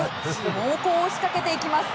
猛攻を仕掛けていきます。